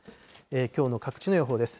きょうの各地の予報です。